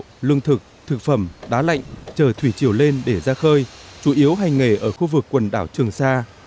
lương thực thực phẩm đá lạnh chờ thủy chiều lên để ra khơi chủ yếu hành nghề ở khu vực quần đảo trường sa